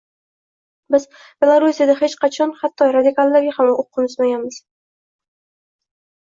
Biz Belorussiyada hech qachon, hatto radikallarga ham o‘q uzmaganmiz